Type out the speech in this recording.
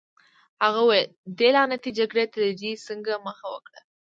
هغه وویل: دې لعنتي جګړې ته دې څنګه مخه وکړه؟